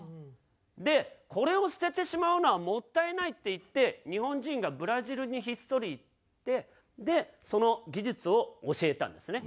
でこれを捨ててしまうのはもったいないっていって日本人がブラジルにひっそり行ってその技術を教えたんですね。